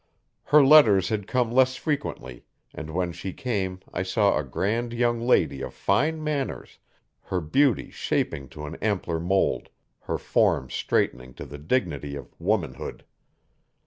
Her letters had come less frequently and when she came I saw a grand young lady of fine manners, her beauty shaping to an ampler mould, her form straightening to the dignity of womanhood.